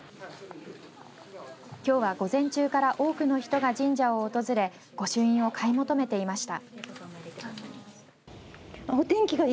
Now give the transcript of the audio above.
きょうは午前中から多くの人が神社を訪れ御朱印を買い求めていました。